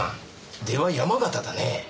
出は山形だね。